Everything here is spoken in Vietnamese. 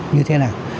như thế nào